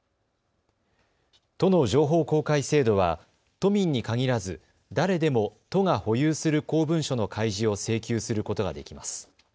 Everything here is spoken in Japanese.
都の情報公開制度は都民に限らず誰でも都が保有する公文書の開示を請求することができます。